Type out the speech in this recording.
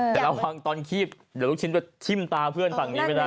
แต่ระวังตอนคีบเดี๋ยวลูกชิ้นก็ชิมตาเพื่อนฝั่งนี้ไม่ได้